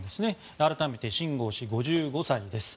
改めて、シン・ゴウ氏５５歳です。